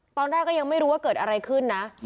ตอนแรกก็ยังไม่รู้ว่าเกิดอะไรขึ้นนะ